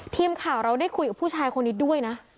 ทีมข่าวเราได้คุยกับผู้ชายคนนี้ด้วยนะ